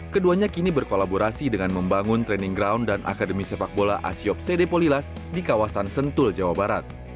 keduanya kini berkolaborasi dengan membangun training ground dan akademi sepak bola asiop cd polilas di kawasan sentul jawa barat